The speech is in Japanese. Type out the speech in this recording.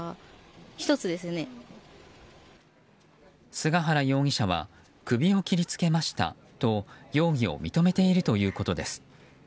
菅原容疑者は首を切りつけましたと容疑を認めているということです。